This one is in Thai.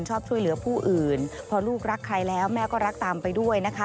ชอบช่วยเหลือผู้อื่นพอลูกรักใครแล้วแม่ก็รักตามไปด้วยนะคะ